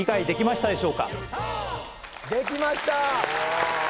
できました！